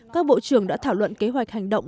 các bộ trưởng đã thảo luận kế hoạch hành động